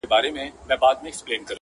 په اُمید د مغفرت دي د کرم رحم مالِکه.